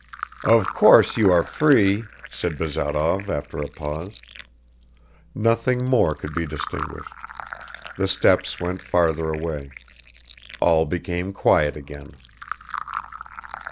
"Of course, you are free," said Bazarov after a pause. Nothing more could be distinguished; the steps went farther away ... all became quiet again.